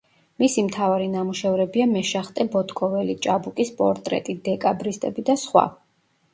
მისი მთავარი ნამუშევრებია „მეშახტე ბოტკოველი“, „ჭაბუკის პორტრეტი“, „დეკაბრისტები“ და სხვა.